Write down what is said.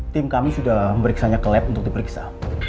tim kami sudah memeriksanya ke lab untuk diperiksa